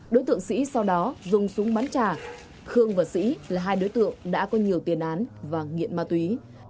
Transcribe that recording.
đối tượng sĩ sau đó dùng súng bắn trả khương và sĩ là hai đối tượng đã có nhiều tiền án và nghiện ma túy